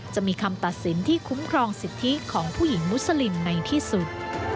จะมีคำตัดสินที่คุ้มครองสิทธิของผู้หญิงมุสลิมในที่สุด